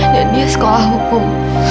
dan dia sekolah hukum